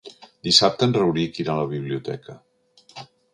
Dissabte en Rauric irà a la biblioteca.